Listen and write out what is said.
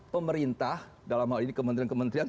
pemerintah dalam hal ini kementerian kementerian